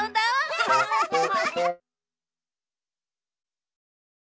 アハハハ！